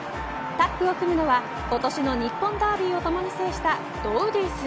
タッグを組むのは今年の日本ダービーをともに制したドウデュース。